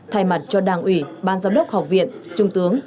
thay mặt cho đảng ủy ban giám đốc học viện trung tướng